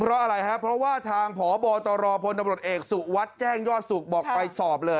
เพราะอะไรเพราะว่าทางพบตรคเอกสุวแจ้งยสุบปส